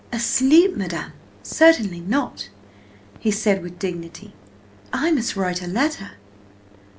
"Asleep, Madam? Certainly not!" he said with dignity. "I must write a letter."